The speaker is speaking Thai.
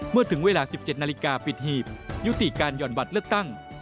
เมื่อถึงเวลา๑๗นาฬิกาปิดหีบยุติการหย่อนบัตรเลือกตั้ง